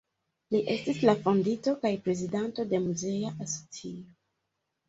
Li estis la fondinto kaj prezidanto de muzea asocio.